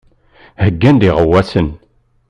Heyyan-d iɣawasen.